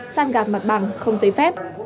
sang gạp mặt bằng không giấy phép